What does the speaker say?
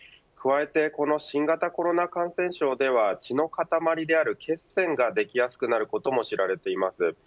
加えてこの新型コロナ感染症では血の塊である血栓ができやすいことでも知られています。